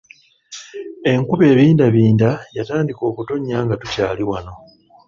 Enkuba ebindabinda yantandika okutonnya nga tukyali wano.